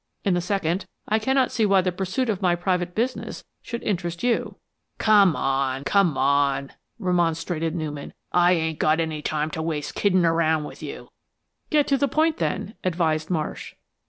In the second, I cannot see why the pursuit of my private business should interest you." "Come on come on!" remonstrated Newman. "I ain't got any time to waste kiddin' around with you." "Get down to the point then," advised Marsh.